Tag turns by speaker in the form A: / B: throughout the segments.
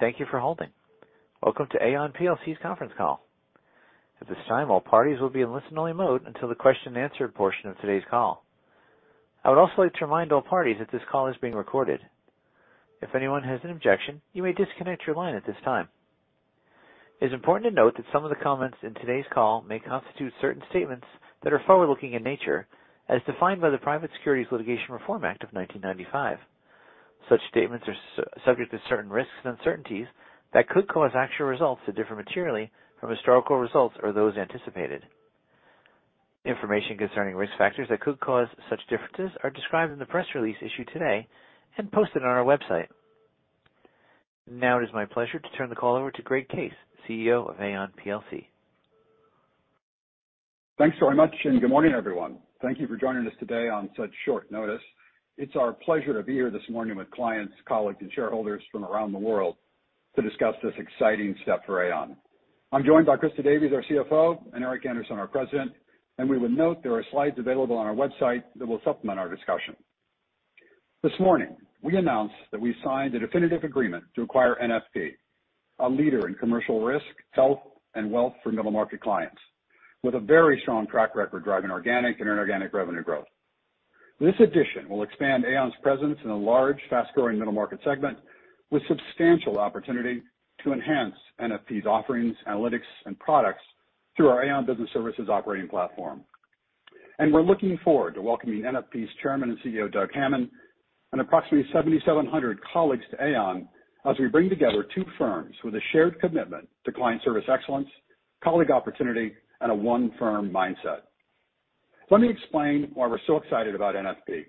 A: Good morning and thank you for holding. Welcome to Aon plc's conference call. At this time, all parties will be in listen-only mode until the question-and-answer portion of today's call. I would also like to remind all parties that this call is being recorded. If anyone has an objection, you may disconnect your line at this time. It's important to note that some of the comments in today's call may constitute certain statements that are forward-looking in nature, as defined by the Private Securities Litigation Reform Act of 1995. Such statements are subject to certain risks and uncertainties that could cause actual results to differ materially from historical results or those anticipated. Information concerning risk factors that could cause such differences are described in the press release issued today and posted on our website. Now it is my pleasure to turn the call over to Greg Case, CEO of Aon plc.
B: Thanks so much, and good morning, everyone. Thank you for joining us today on such short notice. It's our pleasure to be here this morning with clients, colleagues, and shareholders from around the world to discuss this exciting step for Aon. I'm joined by Christa Davies, our CFO, and Eric Andersen, our President, and we would note there are slides available on our website that will supplement our discussion. This morning, we announced that we signed a definitive agreement to acquire NFP, a leader in commercial risk, health, and wealth for middle-market clients, with a very strong track record driving organic and inorganic revenue growth. This addition will expand Aon's presence in a large, fast-growing middle market segment, with substantial opportunity to enhance NFP's offerings, analytics, and products through our Aon Business Services operating platform. We're looking forward to welcoming NFP's chairman and CEO, Doug Hammond, and approximately 7,700 colleagues to Aon as we bring together two firms with a shared commitment to client service excellence, colleague opportunity, and a one-firm mindset. Let me explain why we're so excited about NFP.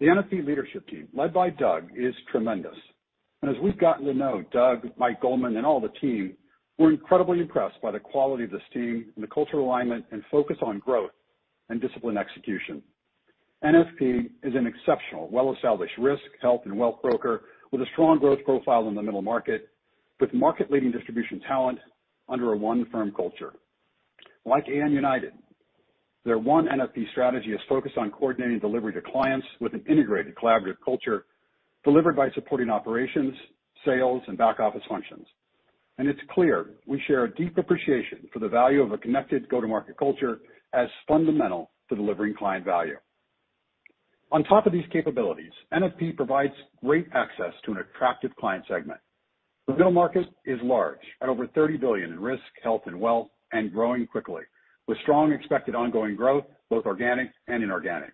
B: The NFP leadership team, led by Doug, is tremendous, and as we've gotten to know Doug, Mike Goldman, and all the team, we're incredibly impressed by the quality of this team and the cultural alignment and focus on growth and disciplined execution. NFP is an exceptional, well-established risk, health, and wealth broker with a strong growth profile in the middle market, with market-leading distribution talent under a one-firm culture. Like Aon United, their One NFP strategy is focused on coordinating delivery to clients with an integrated, collaborative culture delivered by supporting operations, sales, and back-office functions. It's clear we share a deep appreciation for the value of a connected go-to-market culture as fundamental to delivering client value. On top of these capabilities, NFP provides great access to an attractive client segment. The Middle Market is large, at over $30 billion in risk, health, and wealth, and growing quickly, with strong expected ongoing growth, both organic and inorganic.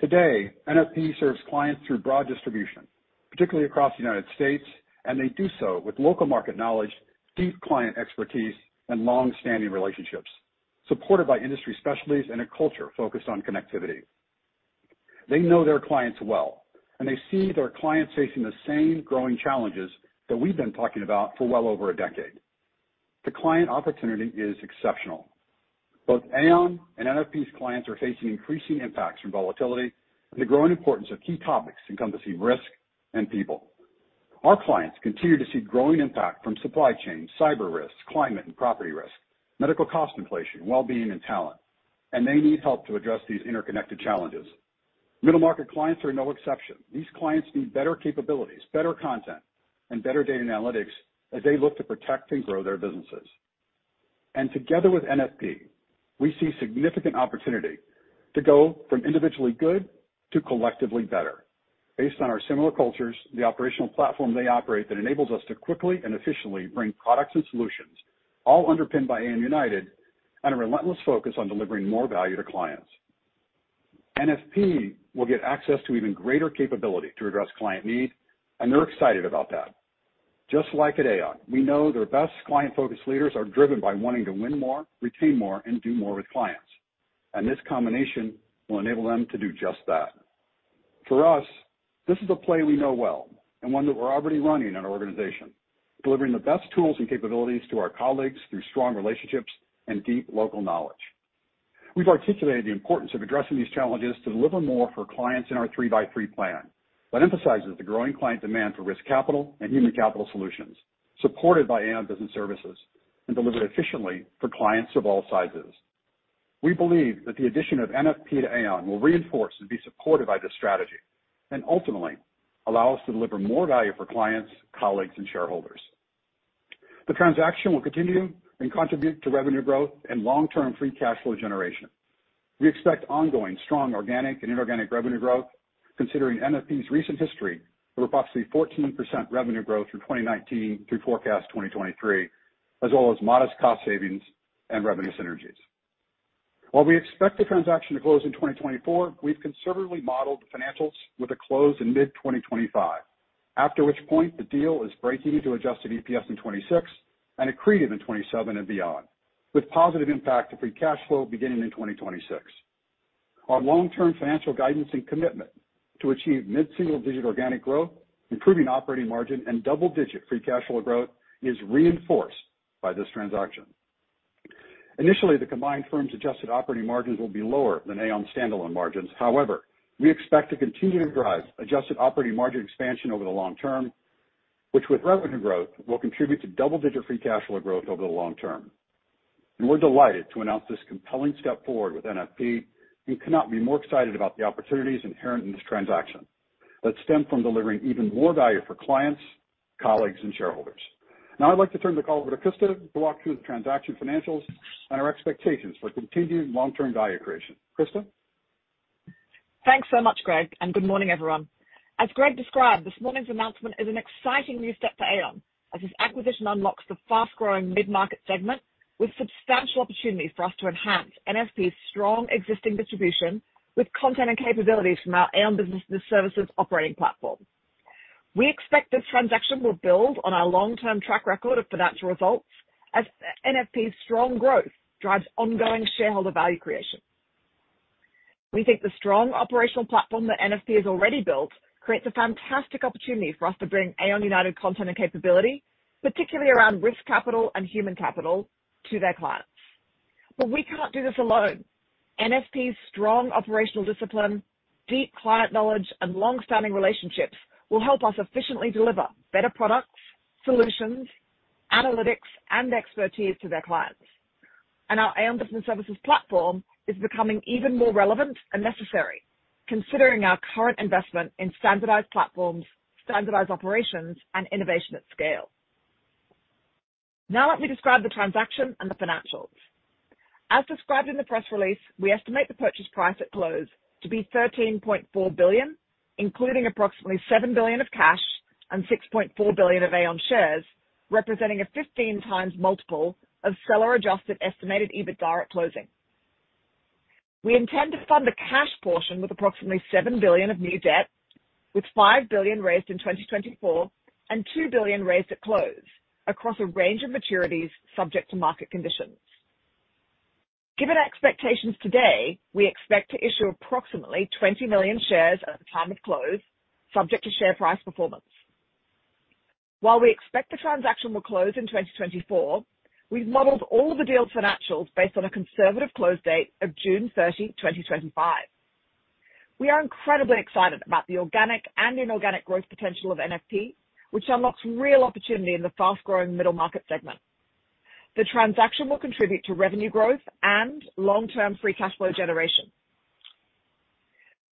B: Today, NFP serves clients through broad distribution, particularly across the United States, and they do so with local market knowledge, deep client expertise, and long-standing relationships, supported by industry specialties and a culture focused on connectivity. They know their clients well, and they see their clients facing the same growing challenges that we've been talking about for well over a decade. The client opportunity is exceptional. Both Aon and NFP's clients are facing increasing impacts from volatility and the growing importance of key topics encompassing risk and people. Our clients continue to see growing impact from supply chain, cyber risks, climate and property risk, medical cost inflation, well-being and talent, and they need help to address these interconnected challenges. Middle Market clients are no exception. These clients need better capabilities, better content, and better data and analytics as they look to protect and grow their businesses. Together with NFP, we see significant opportunity to go from individually good to collectively better. Based on our similar cultures, the operational platform they operate that enables us to quickly and efficiently bring products and solutions, all underpinned by Aon United, and a relentless focus on delivering more value to clients. NFP will get access to even greater capability to address client needs, and they're excited about that. Just like at Aon, we know their best client-focused leaders are driven by wanting to win more, retain more, and do more with clients, and this combination will enable them to do just that. For us, this is a play we know well and one that we're already running in our organization, delivering the best tools and capabilities to our colleagues through strong relationships and deep local knowledge. We've articulated the importance of addressing these challenges to deliver more for clients in our 3x3 Plan that emphasizes the growing client demand for Risk Capital and Human Capital solutions, supported by Aon Business Services and delivered efficiently for clients of all sizes. We believe that the addition of NFP to Aon will reinforce and be supported by this strategy and ultimately allow us to deliver more value for clients, colleagues, and shareholders. The transaction will continue and contribute to revenue growth and long-term free cash flow generation. We expect ongoing strong organic and inorganic revenue growth, considering NFP's recent history of approximately 14% revenue growth from 2019 through forecast 2023, as well as modest cost savings and revenue synergies. While we expect the transaction to close in 2024, we've conservatively modeled the financials with a close in mid-2025, after which point the deal is breaking into adjusted EPS in 2026 and accretive in 2027 and beyond, with positive impact to free cash flow beginning in 2026. Our long-term financial guidance and commitment to achieve mid-single-digit organic growth, improving operating margin, and double-digit free cash flow growth is reinforced by this transaction. Initially, the combined firm's adjusted operating margins will be lower than Aon's standalone margins. However, we expect to continue to drive adjusted operating margin expansion over the long term, which, with revenue growth, will contribute to double-digit free cash flow growth over the long term. We're delighted to announce this compelling step forward with NFP, and we could not be more excited about the opportunities inherent in this transaction that stem from delivering even more value for clients, colleagues, and shareholders. Now I'd like to turn the call over to Christa to walk through the transaction financials and our expectations for continued long-term value creation. Christa?
C: Thanks so much, Greg, and good morning, everyone. As Greg described, this morning's announcement is an exciting new step for Aon, as this acquisition unlocks the fast-growing middle-market segment with substantial opportunities for us to enhance NFP's strong existing distribution with content and capabilities from our Aon Business Services operating platform. We expect this transaction will build on our long-term track record of financial results as NFP's strong growth drives ongoing shareholder value creation. We think the strong operational platform that NFP has already built creates a fantastic opportunity for us to bring Aon United content and capability, particularly around Risk Capital and Human Capital, to their clients. But we cannot do this alone. NFP's strong operational discipline, deep client knowledge, and long-standing relationships will help us efficiently deliver better products, solutions, analytics, and expertise to their clients. Our Aon Business Services platform is becoming even more relevant and necessary, considering our current investment in standardized platforms, standardized operations, and innovation at scale. Now let me describe the transaction and the financials. As described in the press release, we estimate the purchase price at close to be $13.4 billion, including approximately $7 billion of cash and $6.4 billion of Aon shares, representing a 15x multiple of seller-adjusted estimated EBITDA at closing. We intend to fund the cash portion with approximately $7 billion of new debt, with $5 billion raised in 2024 and $2 billion raised at close across a range of maturities subject to market conditions. Given our expectations today, we expect to issue approximately 20 million shares at the time of close, subject to share price performance. While we expect the transaction will close in 2024, we've modeled all of the deal financials based on a conservative close date of June 30, 2025. We are incredibly excited about the organic and inorganic growth potential of NFP, which unlocks real opportunity in the fast-growing middle market segment. The transaction will contribute to revenue growth and long-term free cash flow generation.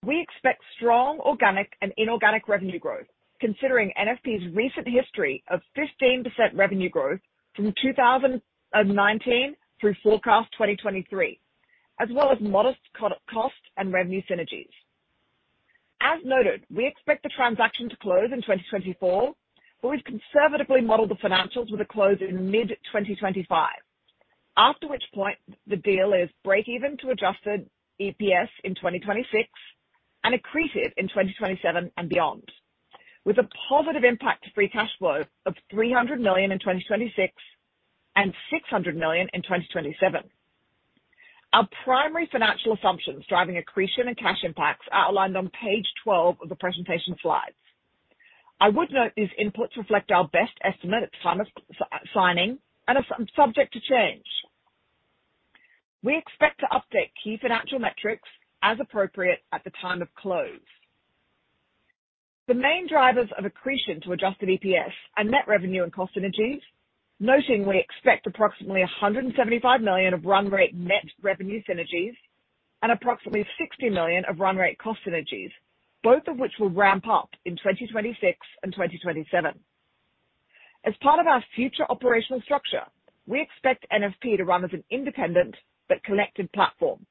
C: We expect strong organic and inorganic revenue growth, considering NFP's recent history of 15% revenue growth from 2019 through forecast 2023, as well as modest cost and revenue synergies. As noted, we expect the transaction to close in 2024, but we've conservatively modeled the financials with a close in mid-2025, after which point the deal is break even to Adjusted EPS in 2026 and accretive in 2027 and beyond, with a positive impact to Free Cash Flow of $300 million in 2026 and $600 million in 2027. Our primary financial assumptions driving accretion and cash impacts are outlined on page 12 of the presentation slides. I would note these inputs reflect our best estimate at the time of signing and are subject to change. We expect to update key financial metrics as appropriate at the time of close. The main drivers of accretion to Adjusted EPS are net revenue and cost synergies, noting we expect approximately $175 million of run rate net revenue synergies and approximately $60 million of run rate cost synergies, both of which will ramp up in 2026 and 2027. As part of our future operational structure, we expect NFP to run as an independent but connected platform.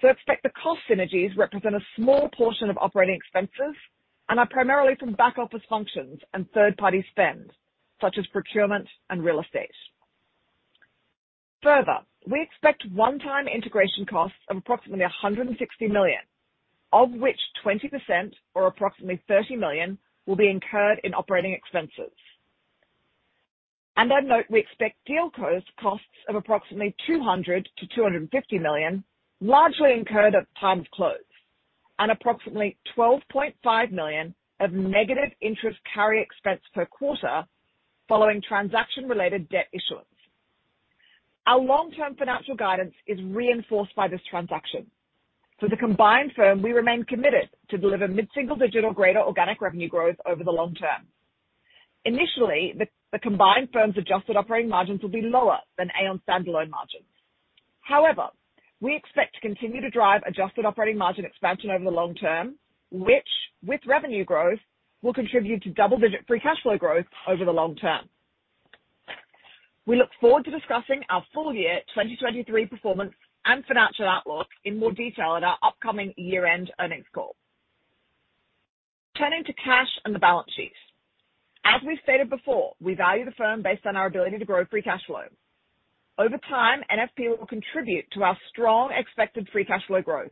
C: So, expect the cost synergies represent a small portion of operating expenses and are primarily from back-office functions and third-party spend, such as procurement and real estate. Further, we expect one-time integration costs of approximately $160 million, of which 20%, or approximately $30 million, will be incurred in operating expenses. I'd note we expect deal close costs of approximately $200 to 250 million, largely incurred at time of close, and approximately $12.5 million of negative interest carry expense per quarter following transaction-related debt issuance. Our long-term financial guidance is reinforced by this transaction. For the combined firm, we remain committed to deliver mid-single-digit greater organic revenue growth over the long term. Initially, the combined firm's adjusted operating margins will be lower than Aon standalone margins. However, we expect to continue to drive adjusted operating margin expansion over the long term, which, with revenue growth, will contribute to double-digit free cash flow growth over the long term. We look forward to discussing our full year 2023 performance and financial outlook in more detail at our upcoming year-end earnings call. Turning to cash and the balance sheet. As we've stated before, we value the firm based on our ability to grow free cash flow. Over time, NFP will contribute to our strong expected free cash flow growth,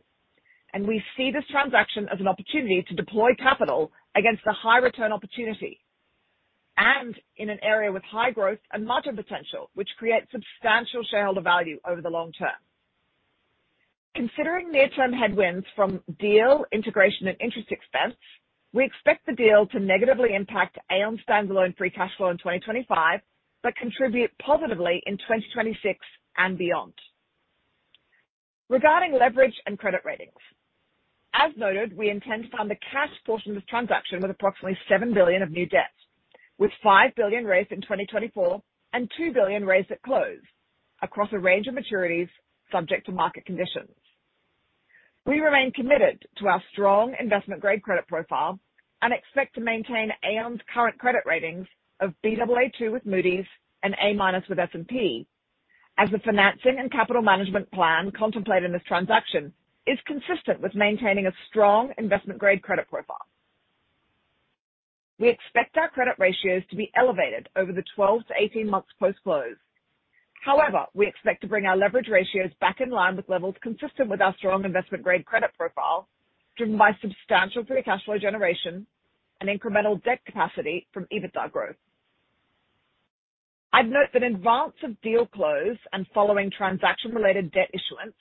C: and we see this transaction as an opportunity to deploy capital against the high return opportunity and in an area with high growth and margin potential, which creates substantial shareholder value over the long term. Considering near-term headwinds from deal integration and interest expense, we expect the deal to negatively impact Aon's standalone free cash flow in 2025, but contribute positively in 2026 and beyond. Regarding leverage and credit ratings. As noted, we intend to fund the cash portion of this transaction with approximately $7 billion of new debt, with $5 billion raised in 2024 and $2 billion raised at close, across a range of maturities subject to market conditions. We remain committed to our strong investment-grade credit profile and expect to maintain Aon's current credit ratings of Baa2 with Moody's and A-minus with S&P, as the financing and capital management plan contemplated in this transaction is consistent with maintaining a strong investment-grade credit profile. We expect our credit ratios to be elevated over the 12-18 months post-close. However, we expect to bring our leverage ratios back in line with levels consistent with our strong investment-grade credit profile, driven by substantial free cash flow generation and incremental debt capacity from EBITDA growth. I'd note that in advance of deal close and following transaction-related debt issuance,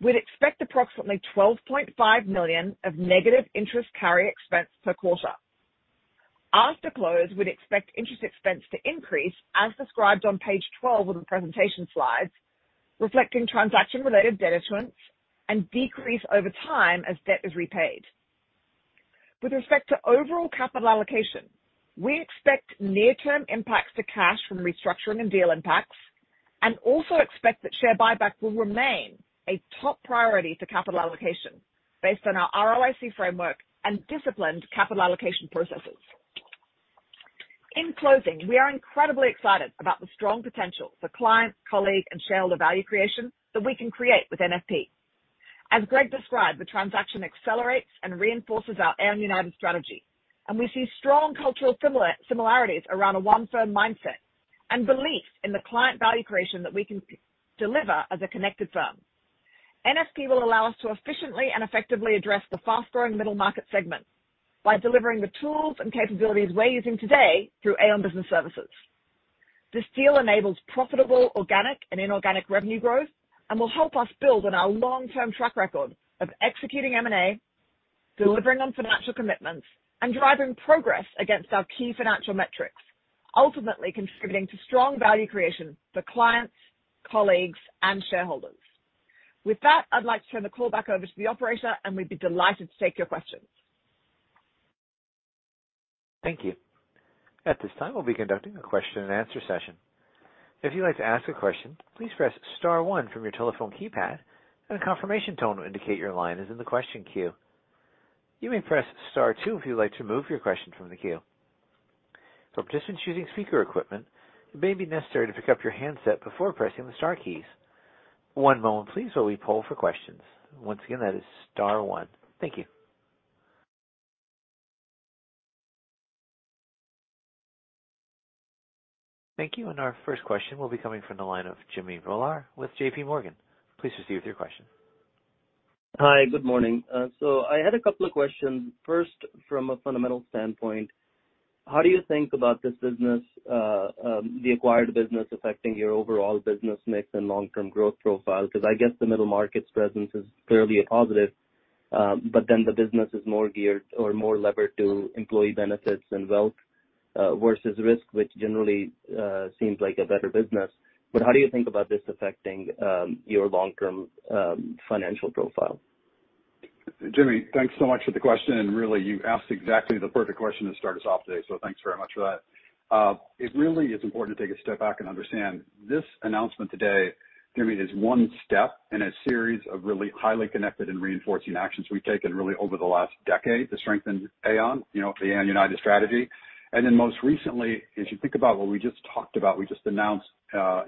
C: we'd expect approximately $12.5 million of negative interest carry expense per quarter. After close, we'd expect interest expense to increase, as described on page 12 of the presentation slides, reflecting transaction-related debt issuance and decrease over time as debt is repaid. With respect to overall capital allocation, we expect near-term impacts to cash from restructuring and deal impacts, and also expect that share buyback will remain a top priority for capital allocation based on our ROIC framework and disciplined capital allocation processes. In closing, we are incredibly excited about the strong potential for client, colleague, and shareholder value creation that we can create with NFP. As Greg described, the transaction accelerates and reinforces our Aon United strategy, and we see strong cultural similarities around a one firm mindset and belief in the client value creation that we can deliver as a connected firm. NFP will allow us to efficiently and effectively address the fast-growing middle market segment by delivering the tools and capabilities we're using today through Aon Business Services. This deal enables profitable, organic, and inorganic revenue growth and will help us build on our long-term track record of executing M&A, delivering on financial commitments, and driving progress against our key financial metrics, ultimately contributing to strong value creation for clients, colleagues, and shareholders. With that, I'd like to turn the call back over to the operator, and we'd be delighted to take your questions.
A: Thank you. At this time, we'll be conducting a question-and-answer session. If you'd like to ask a question, please press star one from your telephone keypad, and a confirmation tone will indicate your line is in the question queue. You may press star two if you'd like to remove your question from the queue. For participants using speaker equipment, it may be necessary to pick up your handset before pressing the star keys. One moment, please, while we poll for questions. Once again, that is star one. Thank you. Thank you, and our first question will be coming from the line of Jimmy Bhullar with JPMorgan. Please proceed with your question.
D: Hi, good morning. So I had a couple of questions. First, from a fundamental standpoint, how do you think about this business, the acquired business affecting your overall business mix and long-term growth profile? Because I guess the middle market's presence is clearly a positive, but then the business is more geared or more levered to employee benefits and wealth, versus risk, which generally, seems like a better business. But how do you think about this affecting, your long-term, financial profile?
B: Jimmy, thanks so much for the question, and really, you asked exactly the perfect question to start us off today, so thanks very much for that. It really is important to take a step back and understand this announcement today, Jimmy, is one step in a series of really highly connected and reinforcing actions we've taken really over the last decade to strengthen Aon, you know, the Aon United strategy. And then most recently, as you think about what we just talked about, we just announced,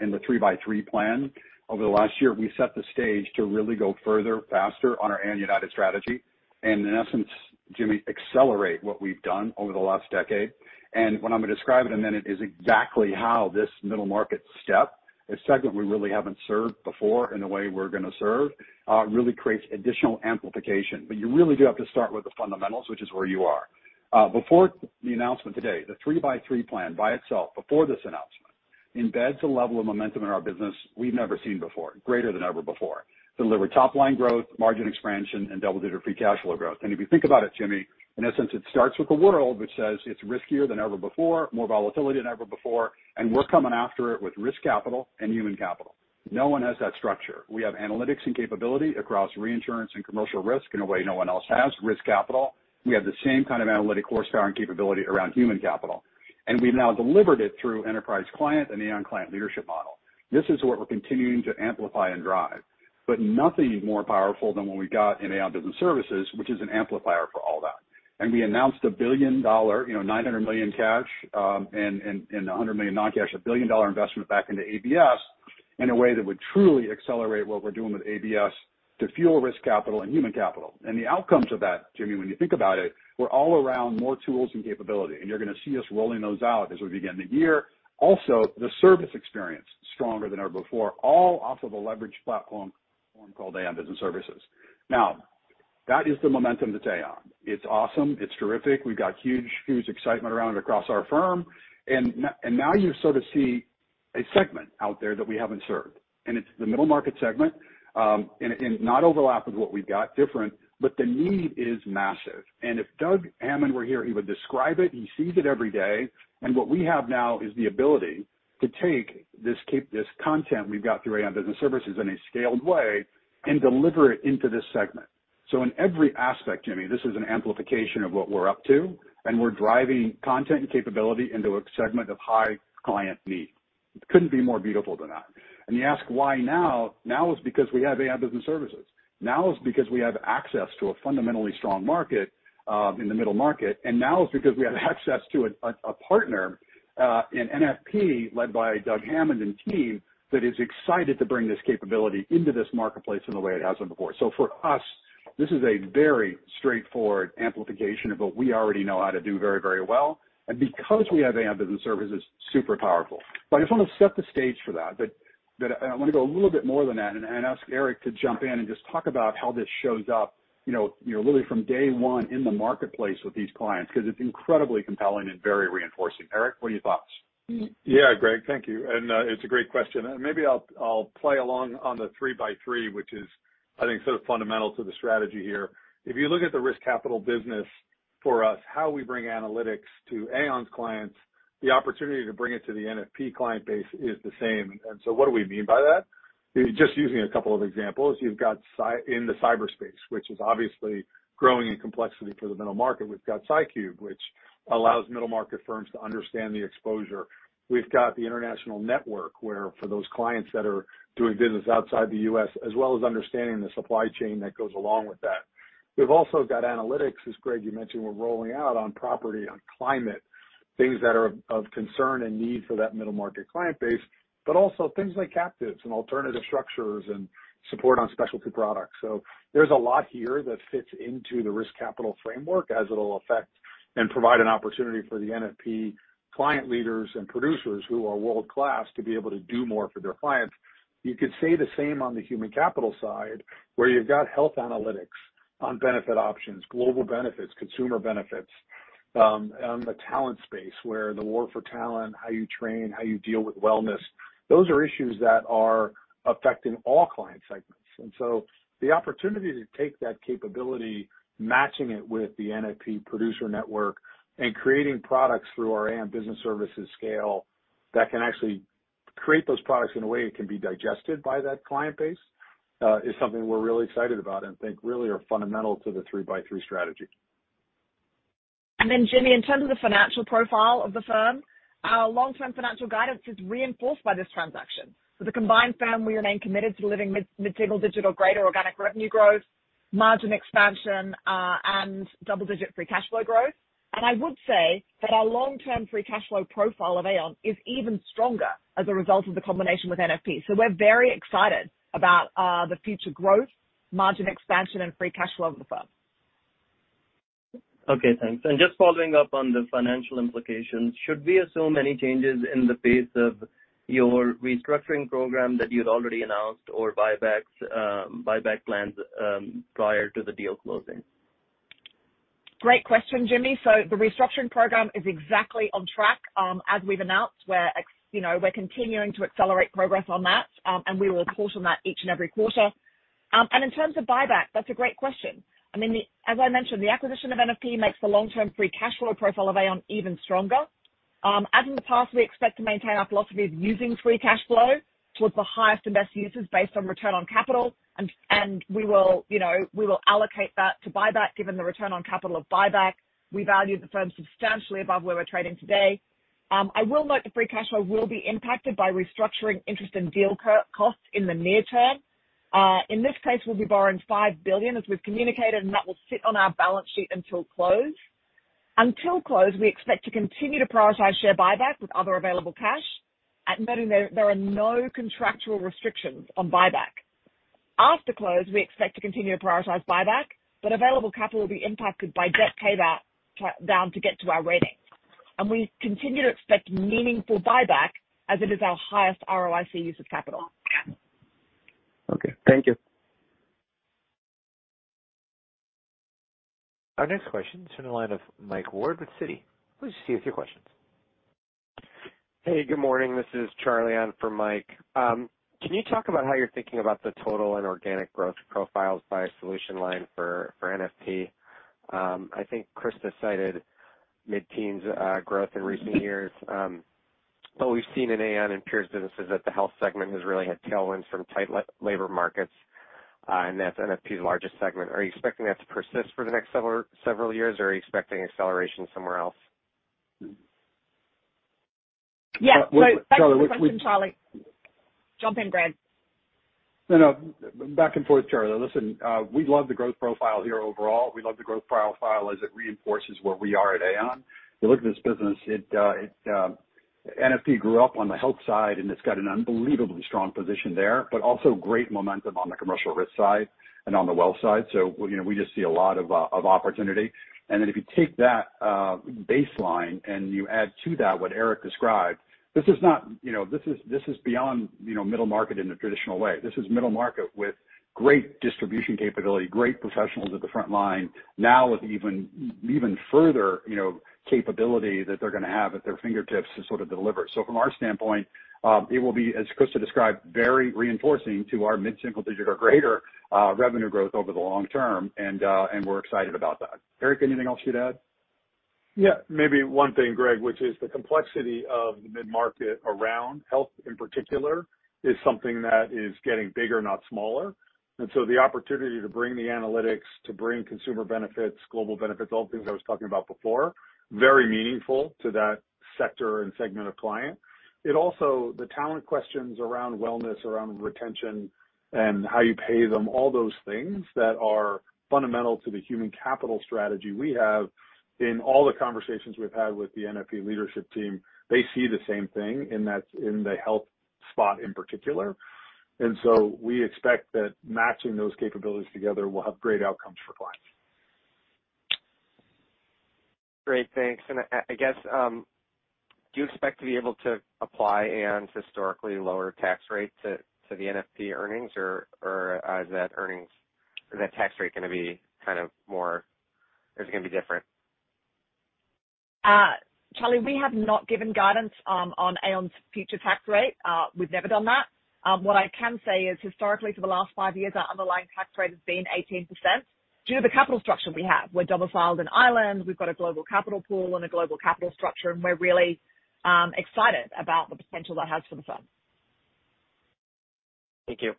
B: in the 3x3 Plan over the last year, we set the stage to really go further, faster on our Aon United strategy, and in essence, Jimmy, accelerate what we've done over the last decade. What I'm going to describe in a minute is exactly how this Middle Market step, a segment we really haven't served before in the way we're going to serve, really creates additional amplification. But you really do have to start with the fundamentals, which is where you are. Before the announcement today, the 3x3 Plan by itself, before this announcement, embeds a level of momentum in our business we've never seen before, greater than ever before. Deliver top-line growth, margin expansion, and double-digit Free Cash Flow growth. And if you think about it, Jimmy, in essence, it starts with a world which says it's riskier than ever before, more volatility than ever before, and we're coming after it with Risk Capital and Human Capital. No one has that structure. We have analytics and capability across reinsurance and commercial risk in a way no one else has, risk capital. We have the same kind of analytic horsepower and capability around human capital, and we've now delivered it through Enterprise Client and Aon Client Leadership model. This is what we're continuing to amplify and drive, but nothing is more powerful than what we've got in Aon Business Services, which is an amplifier for all that. And we announced a $1 billion, you know, $900 million cash, and $100 million non-cash, $1 billion investment back into ABS in a way that would truly accelerate what we're doing with ABS to fuel risk capital and human capital. And the outcomes of that, Jimmy, when you think about it, we're all around more tools and capability, and you're gonna see us rolling those out as we begin the year. Also, the service experience, stronger than ever before, all off of a leverage platform called Aon Business Services. Now, that is the momentum that's Aon. It's awesome. It's terrific. We've got huge, huge excitement around it across our firm. And now you sort of see a segment out there that we haven't served, and it's the middle market segment, and not overlap with what we've got, different, but the need is massive. And if Doug Hammond were here, he would describe it. He sees it every day. And what we have now is the ability to take this content we've got through Aon Business Services in a scaled way and deliver it into this segment. So, in every aspect, Jimmy, this is an amplification of what we're up to, and we're driving content and capability into a segment of high client need. It couldn't be more beautiful than that. And you ask why now? Now is because we have Aon Business Services. Now is because we have access to a fundamentally strong market in the Middle Market, and now is because we have access to a partner in NFP, led by Doug Hammond and team, that is excited to bring this capability into this marketplace in the way it hasn't before. So for us, this is a very straightforward amplification of what we already know how to do very, very well. And because we have Aon Business Services, super powerful. But I just want to set the stage for that, but I want to go a little bit more than that and ask Eric to jump in and just talk about how this shows up, you know, you know, really from day one in the marketplace with these clients, 'cause it's incredibly compelling and very reinforcing. Eric, what are your thoughts?
E: Yeah, Greg, thank you, and it's a great question. And maybe I'll play along on the three by three, which is, I think, sort of fundamental to the strategy here. If you look at the Risk Capital business for us, how we bring analytics to Aon's clients, the opportunity to bring it to the NFP client base is the same. And so, what do we mean by that? Just using a couple of examples, you've got CyQu in the cyberspace, which is obviously growing in complexity for the middle market. We've got CyCube, which allows middle market firms to understand the exposure. We've got the international network, where for those clients that are doing business outside the US, as well as understanding the supply chain that goes along with that. We've also got analytics, as Greg, you mentioned, we're rolling out on property, on climate, things that are of concern and need for that middle market client base, but also things like captives and alternative structures and support on specialty products. So there's a lot here that fits into the risk capital framework as it'll affect and provide an opportunity for the NFP client leaders and producers who are world-class to be able to do more for their clients. You could say the same on the human capital side, where you've got health analytics on benefit options, global benefits, consumer benefits, on the talent space, where the war for talent, how you train, how you deal with wellness, those are issues that are affecting all client segments. And so the opportunity to take that capability, matching it with the NFP producer network and creating products through our Aon Business Services scale, that can actually create those products in a way it can be digested by that client base, is something we're really excited about and think really are fundamental to the 3-by-3 strategy.
C: And then Jimmy, in terms of the financial profile of the firm, our long-term financial guidance is reinforced by this transaction. With the combined firm, we remain committed to delivering mid- mid-single digit or greater organic revenue growth, margin expansion, and double-digit free cash flow growth. And I would say that our long-term free cash flow profile of Aon is even stronger as a result of the combination with NFP. So, we're very excited about, the future growth, margin expansion, and free cash flow of the firm.
D: Okay, thanks. And just following up on the financial implications, should we assume any changes in the pace of your restructuring program that you'd already announced or buybacks, buyback plans, prior to the deal closing?
C: Great question, Jimmy. So the restructuring program is exactly on track. As we've announced, you know, we're continuing to accelerate progress on that, and we will report on that each and every quarter. And in terms of buyback, that's a great question. I mean, as I mentioned, the acquisition of NFP makes the long-term free cash flow profile of Aon even stronger. As in the past, we expect to maintain our philosophy of using free cash flow towards the highest and best uses based on return on capital. And we will, you know, we will allocate that to buyback, given the return on capital of buyback. We value the firm substantially above where we're trading today. I will note the free cash flow will be impacted by restructuring interest and deal costs in the near term. In this case, we'll be borrowing $5 billion, as we've communicated, and that will sit on our balance sheet until close. Until close, we expect to continue to prioritize share buyback with other available cash, and noting there are no contractual restrictions on buyback. After close, we expect to continue to prioritize buyback, but available capital will be impacted by debt paydown to get to our ratings. And we continue to expect meaningful buyback, as it is our highest ROIC use of capital.
D: Okay, thank you.
A: Our next question comes from the line of Mike Ward with Citi. Please go ahead with your questions.
F: Hey, good morning. This is Charlie in for Mike. Can you talk about how you're thinking about the total and organic growth profiles by solution line for NFP? I think Christa cited mid-teens growth in recent years. What we've seen in Aon and peers' businesses is that the health segment has really had tailwinds from tight labor markets, and that's NFP's largest segment. Are you expecting that to persist for the next several years, or are you expecting acceleration somewhere else?
C: Yeah.
B: Charlie, which...
C: Great question, Charlie. Jump in, Greg.
B: No, no, back and forth, Charlie. Listen, we love the growth profile here overall. We love the growth profile as it reinforces where we are at Aon. You look at this business, it, NFP grew up on the health side, and it's got an unbelievably strong position there, but also great momentum on the commercial risk side and on the wealth side. So, you know, we just see a lot of opportunity. And then if you take that baseline and you add to that what Eric described, this is not... You know, this is, this is beyond, you know, middle market in the traditional way. This is middle market with great distribution capability, great professionals at the front line. Now with even, even further, you know, capability that they're gonna have at their fingertips to sort of deliver it. So, from our standpoint, it will be, as Christa described, very reinforcing to our mid-single digit or greater revenue growth over the long term, and we're excited about that. Eric, anything else you'd add?
E: Yeah, maybe one thing, Greg, which is the complexity of the mid-market around health, in particular, is something that is getting bigger, not smaller. And so, the opportunity to bring the analytics, to bring consumer benefits, global benefits, all the things I was talking about before, very meaningful to that sector and segment of client. It also, the talent questions around wellness, around retention, and how you pay them, all those things that are fundamental to the human capital strategy we have, in all the conversations we've had with the NFP leadership team, they see the same thing in that, in the health spot in particular. And so, we expect that matching those capabilities together will have great outcomes for clients.
F: Great, thanks. I guess, do you expect to be able to apply Aon's historically lower tax rate to the NFP earnings? Or is that earnings, or is that tax rate gonna be kind of more... or is it gonna be different?
C: Charlie, we have not given guidance on Aon's future tax rate. We've never done that. What I can say is historically, for the last five years, our underlying tax rate has been 18% due to the capital structure we have. We're double filed in Ireland, we've got a global capital pool and a global capital structure, and we're really excited about the potential that has for the firm.
F: Thank you.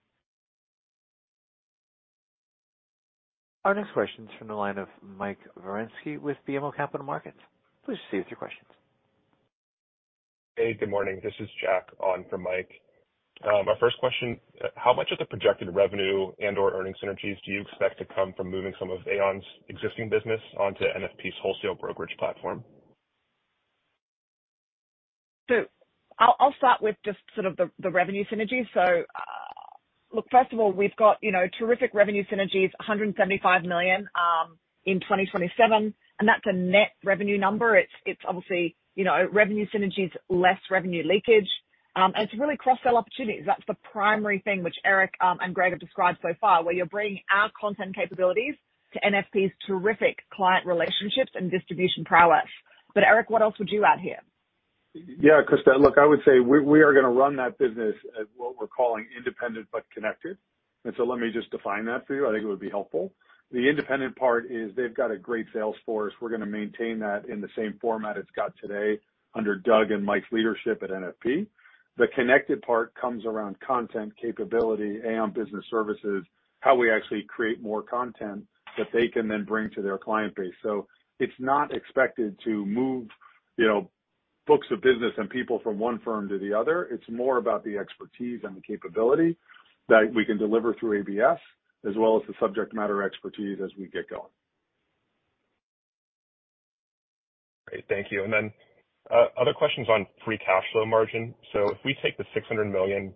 A: Our next question is from the line of Mike Zaremski with BMO Capital Markets. Please proceed with your questions.
G: Hey, good morning. This is Jack on for Mike. Our first question, how much of the projected revenue and/or earnings synergies do you expect to come from moving some of Aon's existing business onto NFP's wholesale brokerage platform?
C: So, I'll start with just sort of the revenue synergies. So look, first of all, we've got, you know, terrific revenue synergies, $175 million in 2027, and that's a net revenue number. It's obviously, you know, revenue synergies less revenue leakage. And it's really cross-sell opportunities. That's the primary thing which Eric and Greg have described so far, where you're bringing our content capabilities to NFP's terrific client relationships and distribution prowess. But Eric, what else would you add here?
E: Yeah, Christa, look, I would say we are gonna run that business at what we're calling independent but connected. And so let me just define that for you. I think it would be helpful. The independent part is they've got a great sales force. We're gonna maintain that in the same format it's got today under Doug and Mike's leadership at NFP. The connected part comes around content, capability, Aon Business Services, how we actually create more content that they can then bring to their client base. So, it's not expected to move, you know, books of business and people from one firm to the other. It's more about the expertise and the capability that we can deliver through ABS, as well as the subject matter expertise as we get going.
G: Great. Thank you. And then, other questions on free cash flow margin. So, if we take the $600 million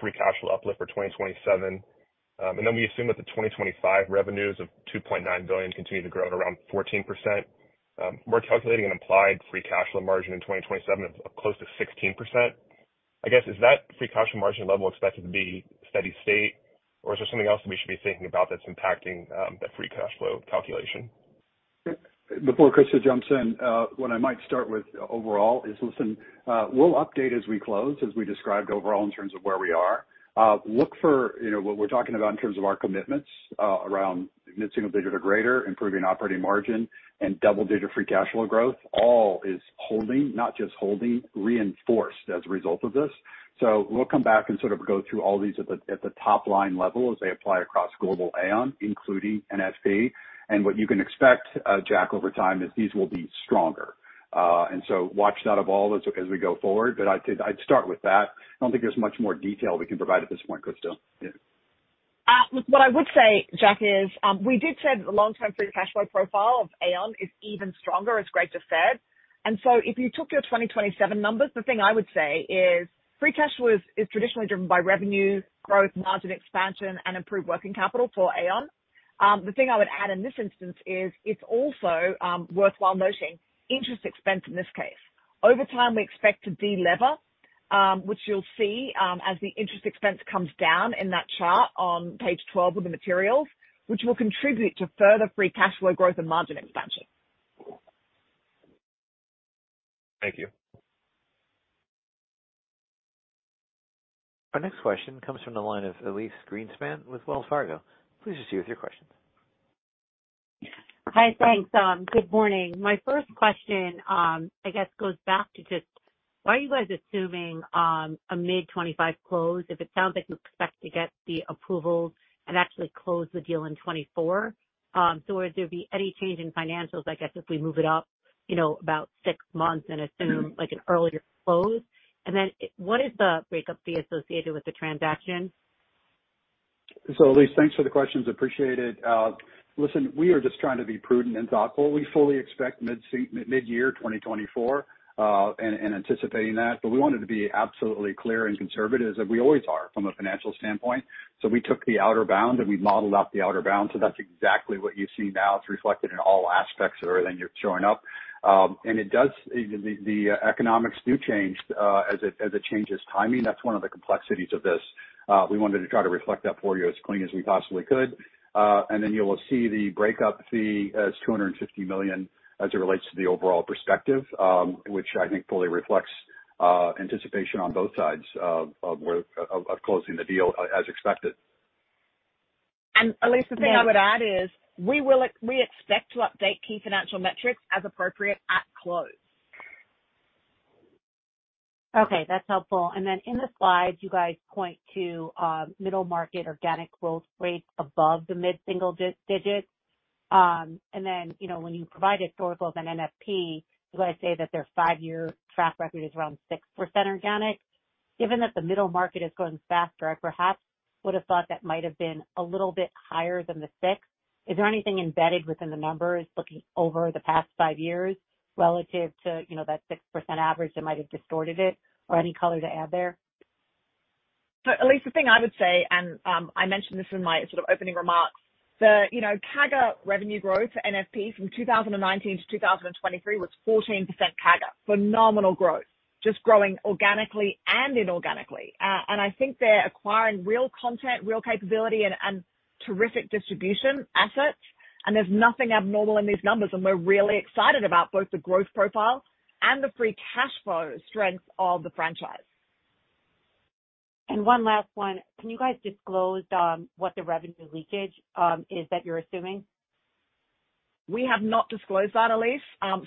G: free cash flow uplift for 2027, and then we assume that the 2025 revenues of $2.9 billion continue to grow at around 14%, we're calculating an implied free cash flow margin in 2027 of close to 16%. I guess, is that free cash margin level expected to be steady state, or is there something else that we should be thinking about that's impacting that free cash flow calculation?
E: Before Christa jumps in, what I might start with overall is, listen, we'll update as we close, as we described overall in terms of where we are. Look for, you know, what we're talking about in terms of our commitments, around mid-single digit or greater, improving operating margin, and double-digit free cash flow growth, all is holding, not just holding, reinforced as a result of this. So, we'll come back and sort of go through all these at the top-line level as they apply across global Aon, including NFP. And what you can expect, Jack, over time, is these will be stronger. And so watch that evolve as we go forward, but I'd start with that. I don't think there's much more detail we can provide at this point, Christa. Yeah.
C: Look, what I would say, Jack, is, we did say the long-term free cash flow profile of Aon is even stronger, as Greg just said. And so if you took your 2027 numbers, the thing I would say is free cash flow is, is traditionally driven by revenue, growth, margin expansion, and improved working capital for Aon. The thing I would add in this instance is it's also, worthwhile noting interest expense in this case. Over time, we expect to de-lever, which you'll see, as the interest expense comes down in that chart on page 12 of the materials, which will contribute to further free cash flow growth and margin expansion.
G: Thank you.
A: Our next question comes from the line of Elyse Greenspan with Wells Fargo. Please proceed with your questions.
H: Hi, thanks. Good morning. My first question, I guess, goes back to just why are you guys assuming a mid-2025 close if it sounds like you expect to get the approvals and actually close the deal in 2024? So would there be any change in financials, I guess, if we move it up, you know, about 6 months and assume, like, an earlier close? And then what is the breakup fee associated with the transaction?
E: So, Elyse, thanks for the questions. Appreciated. Listen, we are just trying to be prudent and thoughtful. We fully expect mid-year 2024, and anticipating that, but we wanted to be absolutely clear and conservative as we always are from a financial standpoint. So, we took the outer bound, and we modeled out the outer bound. So that's exactly what you see now. It's reflected in all aspects of everything that's showing up. And it does... The economics do change, as it changes timing. That's one of the complexities of this. We wanted to try to reflect that for you as clean as we possibly could. And then you will see the breakup fee as $250 million as it relates to the overall perspective, which I think fully reflects anticipation on both sides of were closing the deal as expected.
C: And, Elyse, the thing I would add is, we expect to update key financial metrics as appropriate at close.
H: Okay, that's helpful. Then in the slides, you guys point to middle market organic growth rates above the mid-single digits. And then, you know, when you provide historicals and NFP, you guys say that their five-year track record is around 6% organic. Given that the middle market is growing faster, I perhaps would have thought that might have been a little bit higher than the six. Is there anything embedded within the numbers looking over the past five years relative to, you know, that 6% average that might have distorted it, or any color to add there?
C: So, Elyse, the thing I would say, and I mentioned this in my sort of opening remarks, you know, CAGR revenue growth for NFP from 2019 to 2023 was 14% CAGR. Phenomenal growth! Just growing organically and inorganically. And I think they're acquiring real content, real capability, and terrific distribution assets, and there's nothing abnormal in these numbers, and we're really excited about both the growth profile and the free cash flow strength of the franchise.
H: One last one. Can you guys disclose what the revenue leakage is that you're assuming?
C: We have not disclosed that, Elyse.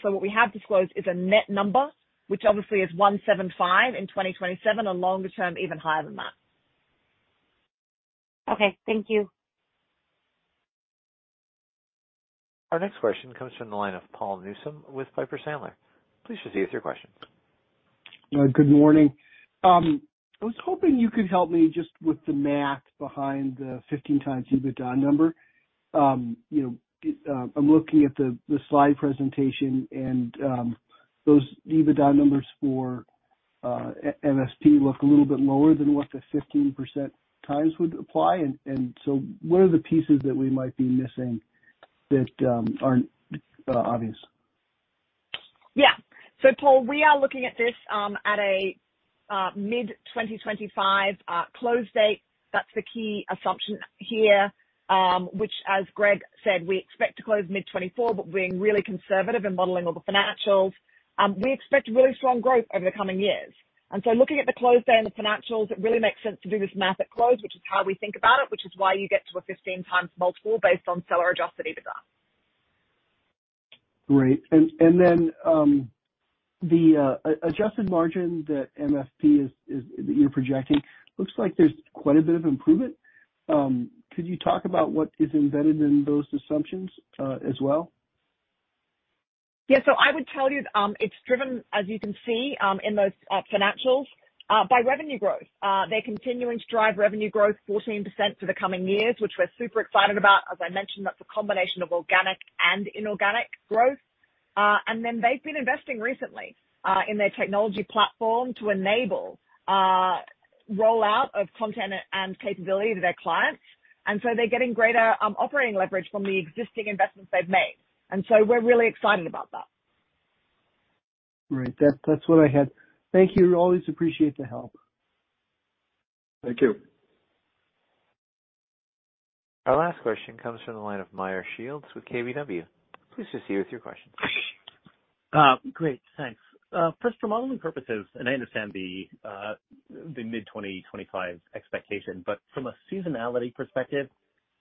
C: What we have disclosed is a net number, which obviously is $175 in 2027, and longer term, even higher than that.
H: Okay. Thank you.
A: Our next question comes from the line of Paul Newsome with Piper Sandler. Please proceed with your question.
I: Good morning. I was hoping you could help me just with the math behind the 15x EBITDA number. You know, I'm looking at the slide presentation, and those EBITDA numbers for NFP look a little bit lower than what the 15 times would apply. And so what are the pieces that we might be missing that aren't obvious?
C: Yeah. So, Paul, we are looking at this, at a mid-2025 close date. That's the key assumption here, which as Greg said, we expect to close mid-2024, but being really conservative in modeling all the financials. We expect really strong growth over the coming years. And so looking at the close date and the financials, it really makes sense to do this math at close, which is how we think about it, which is why you get to a 15x multiple based on Seller-Adjusted EBITDA.
I: Great. And then, the adjusted margin that you're projecting looks like there's quite a bit of improvement. Could you talk about what is embedded in those assumptions, as well?
C: Yeah. So I would tell you, it's driven, as you can see, in those, financials, by revenue growth. They're continuing to drive revenue growth 14% for the coming years, which we're super excited about. As I mentioned, that's a combination of organic and inorganic growth. And then they've been investing recently, in their technology platform to enable, rollout of content and capability to their clients. And so they're getting greater, operating leverage from the existing investments they've made. And so we're really excited about that.
I: Great. That, that's what I had. Thank you. Always appreciate the help.
B: Thank you.
A: Our last question comes from the line of Meyer Shields with KBW. Please proceed with your question.
J: Great, thanks. First, for modeling purposes, and I understand the mid-2025 expectation, but from a seasonality perspective,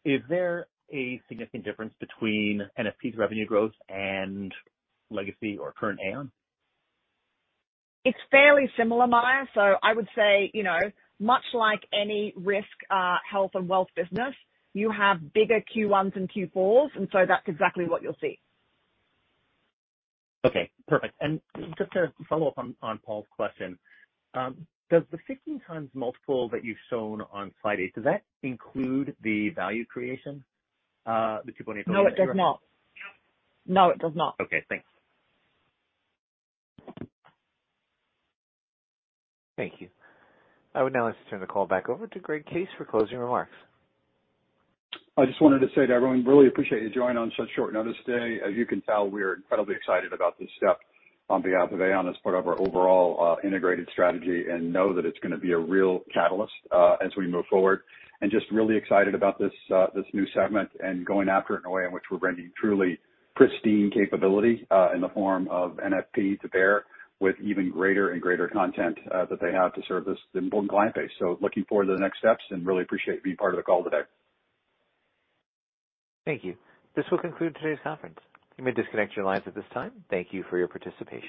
J: is there a significant difference between NFP's revenue growth and legacy or current Aon?
C: It's fairly similar, Meyer. So, I would say, you know, much like any risk, health, and wealth business, you have bigger first quarters than fourth quarters, and so that's exactly what you'll see.
J: Okay, perfect. Just to follow up on Paul's question, does the 15x multiple that you've shown on slide 8, does that include the value creation, the 2.8...
C: No, it does not. No, it does not.
J: Okay, thanks.
A: Thank you. I would now like to turn the call back over to Greg Case for closing remarks.
B: I just wanted to say to everyone, really appreciate you joining on such short notice today. As you can tell, we are incredibly excited about this step on behalf of Aon as part of our overall integrated strategy and know that it's gonna be a real catalyst as we move forward. And just really excited about this this new segment and going after it in a way in which we're bringing truly pristine capability in the form of NFP to bear, with even greater and greater content that they have to serve this important client base. So looking forward to the next steps and really appreciate you being part of the call today.
A: Thank you. This will conclude today's conference. You may disconnect your lines at this time. Thank you for your participation.